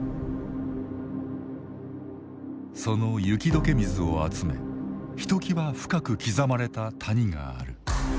その雪解け水を集めひときわ深く刻まれた谷がある。